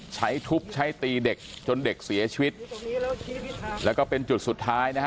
ใช้ทุบใช้ตีเด็กจนเด็กเสียชีวิตแล้วก็เป็นจุดสุดท้ายนะฮะ